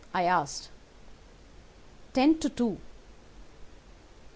I asked. "'Ten to two.